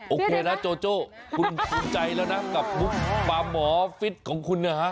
โอเคนะโจโจคุณสุขใจแล้วนะกับปลาหมอฟิทของคุณ